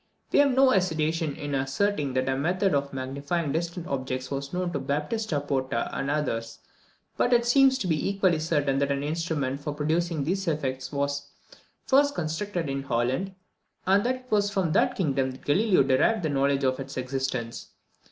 We have no hesitation in asserting that a method of magnifying distant objects was known to Baptista Porta and others; but it seems to be equally certain that an instrument for producing these effects was first constructed in Holland, and that it was from that kingdom that Galileo derived the knowledge of its existence.